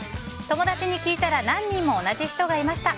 友達に聞いたら何人も同じ人がいました。